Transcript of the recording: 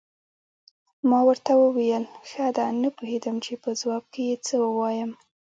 ما ورته وویل: ښه ده، نه پوهېدم چې په ځواب کې یې څه ووایم.